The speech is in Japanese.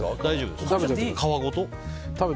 皮ごと？